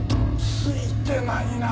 ついてないなあ。